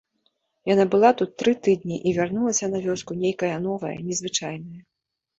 Яна была тут тры тыдні і вярнулася на вёску нейкая новая, незвычайная.